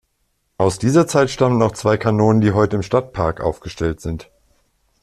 Aus dieser Zeit stammen auch zwei Kanonen, die heute im Stadtpark aufgestellt sind.